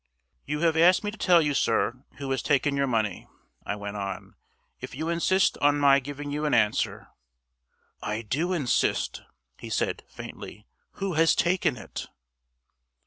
"You have asked me to tell you, sir, who has taken your money," I went on. "If you insist on my giving you an answer " "I do insist," he said, faintly. "Who has taken it?"